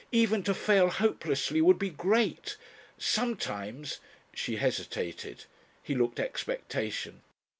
Even to fail hopelessly would be Great. Sometimes ..." She hesitated. He looked expectation.